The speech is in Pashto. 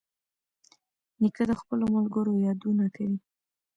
نیکه د خپلو ملګرو یادونه کوي.